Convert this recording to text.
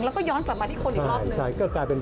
แล้วก็ย้อนกลับมาที่คนอีกรอบหนึ่ง